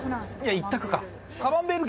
１択か！